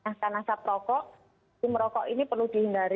karena nasab rokok sumber rokok ini perlu dihindari